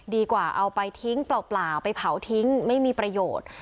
เอาไปทิ้งเปล่าไปเผาทิ้งไม่มีประโยชน์